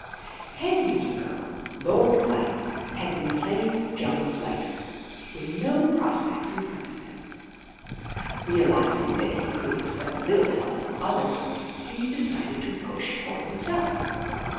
Ten years ago Lord Blight had been plain John Blighter, with no prospects in front of him. Realizing that he could expect little help from others, he decided to push for himself.